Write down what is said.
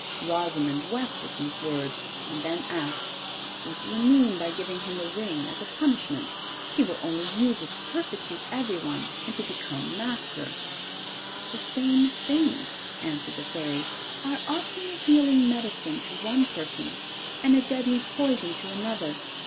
Rosimond wept at these words, and then asked: 'What do you mean by giving him the ring as a punishment? He will only use it to persecute everyone, and to become master.' 'The same things,' answered the Fairy, 'are often a healing medicine to one person and a deadly poison to another.